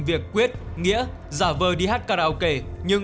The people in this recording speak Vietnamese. việc quyết nghĩa giả vờ đi hát karaoke nhưng